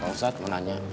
pak ustadz menanya